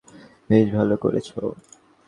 বেশ ভালো করেছো।